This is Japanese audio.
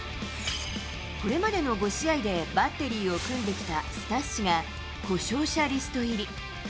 これまでの５試合でバッテリーを組んできたスタッシが、故障者リスト入り。